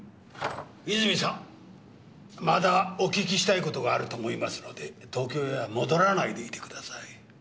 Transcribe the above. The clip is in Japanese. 泉さんまだお聞きしたい事があると思いますので東京へは戻らないでいてください。